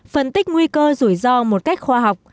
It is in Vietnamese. phân tích nguy cơ rủi ro một cách khoa học